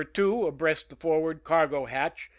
2 abreast the forward cargo hatch.